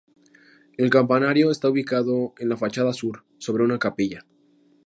El campanario está ubicado en la fachada sur, sobre una capilla.